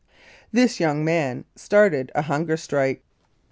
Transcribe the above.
"* This young man started a hunger strike.